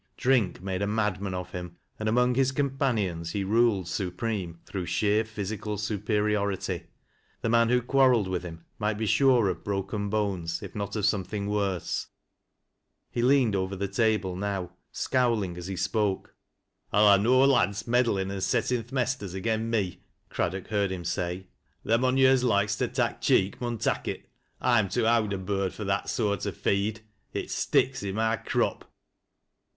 Drink made a madman of him, and among his companions he ruled supreme through sheiei physical superiority. The man who qxiarreled with him 72 TEAT LASS Cf LOWRIE'B. might be sure of broken bones, if not of something worse Uc leaned over the table now, scowling as he spoke. " I'll ha' no lads meddlin' an' settin' th' mesters aget ffitf," Craddoek heard him say. " Them on yo' as loikos to tak' cheek mim tak' it, I'm too owd a bird fur that eoart o' feed. It sticks i' my crop.